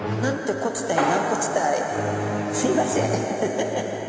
すいません。